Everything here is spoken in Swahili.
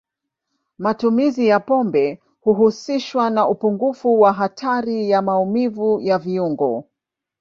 Matumizi ya pombe huhusishwa na upungufu wa hatari ya maumivu ya viungo.